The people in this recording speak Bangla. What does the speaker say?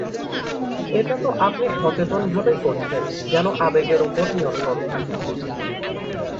এটা তো আপনি সচেতনভাবেই করছেন যেন আবেগের ওপর নিয়ন্ত্রণ থাকে…